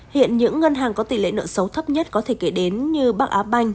hiện những ngân hàng có tỷ lệ nợ xấu thấp nhất có thể kể đến như bắc á banh